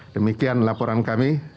demikian laporan kami